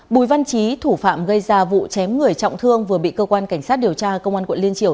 bùi văn trí thủ phạm gây ra vụ chém người trọng thương vừa bị cơ quan cảnh sát điều tra công an quận liên triều